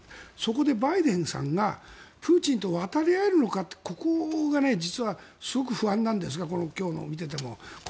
そこでバイデンさんがプーチンと渡り合えるのかってここが実はすごく不安なんですが今日のを見ていても。